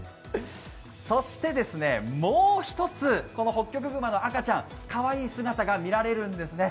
もう一つ、ホッキョクグマの赤ちゃん、かわいい姿が見られるんですね